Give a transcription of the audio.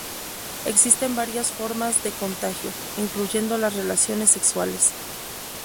Existen varias formas de contagio, incluyendo las relaciones sexuales.